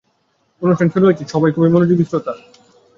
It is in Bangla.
অনুষ্ঠান শুরু হয়েছে, সবাই খুব মনোযোগী শ্রোতা।